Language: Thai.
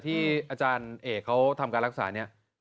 ที่อาจารย์เอกเขาทำการรักษาเนี่ย